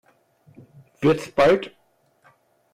Wird's bald?